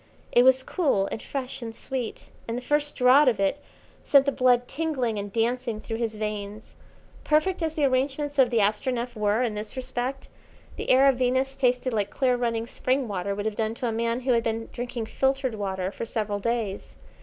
It was cool, and fresh, and sweet, and the first draught of it sent the blood tingling and dancing through his veins. Perfect as the arrangements of the Astronef were in this respect, the air of Venus tasted like clear running spring water would have done to a man who had been drinking filtered water for several days.